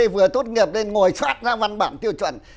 vừa tốt nghiệp lên ngồi thoát ra văn bản tiêu chuẩn